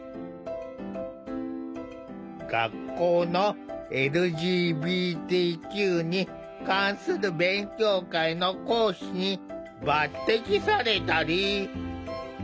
学校のＬＧＢＴＱに関する勉強会の講師に抜てきされたり。